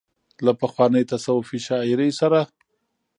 له پخوانۍ تصوفي شاعرۍ سره